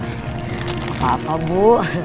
gak apa apa bu